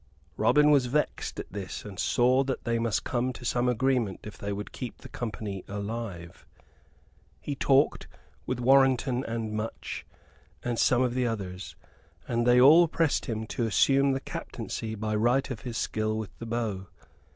Robin was vexed at this, and saw that they must come to some agreement if they would keep the company alive. He talked with Warrenton and Much and some of the others, and they all pressed him to assume the captaincy by right of his skill with the bow.